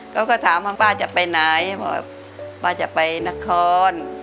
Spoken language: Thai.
เขาก็ถามว่าป้าจะไปไหนบอกป้าจะไปนคร